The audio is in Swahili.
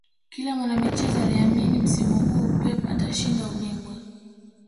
kila mwanamichezo aliamini msimu huo pep atashinda ubingwa